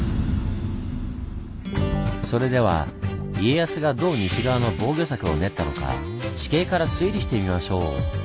それでは家康がどう西側の防御策を練ったのか地形から推理してみましょう。